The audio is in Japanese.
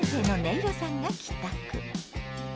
いろさんが帰宅。